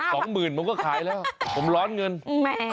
สองหมื่นผมก็ขายแล้วผมร้อนเงินอืมแม่